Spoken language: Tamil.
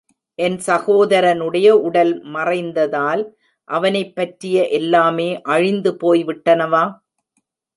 என் சகோதரனுடைய உடல் மறைந்ததால், அவனைப்பற்றிய எல்லாமே அழிந்து போய் விட்டனவா?